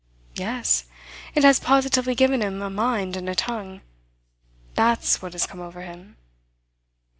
"Yes it has positively given him a mind and a tongue. That's what has come over him."